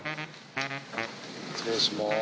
失礼します。